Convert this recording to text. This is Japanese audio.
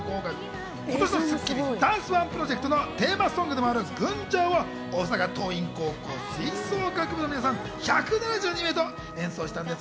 今年の『スッキリ』ダンスＯＮＥプロジェクトのテーマソングでもある『群青』を大阪桐蔭高校吹奏楽部の皆さん１７２名と演奏したんです。